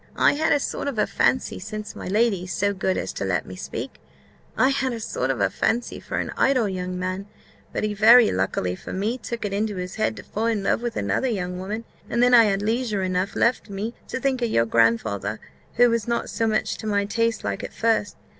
I had a sort of a fancy (since my lady's so good as to let me speak), I had a sort of a fancy for an idle young man; but he, very luckily for me, took it into his head to fall in love with another young woman, and then I had leisure enough left me to think of your grandfather, who was not so much to my taste like at first.